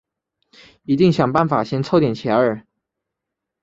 一定想办法先凑点钱